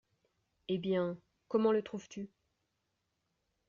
Eh bien… comment le trouves-tu ?…